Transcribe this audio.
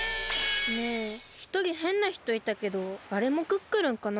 ねえひとりへんなひといたけどあれもクックルンかな？